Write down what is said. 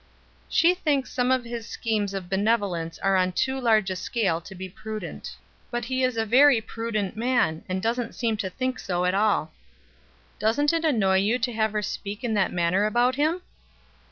"She thinks some of his schemes of benevolence are on too large a scale to be prudent. But he is a very prudent man, and doesn't seem to think so at all." "Doesn't it annoy you to have her speak in that manner about him?"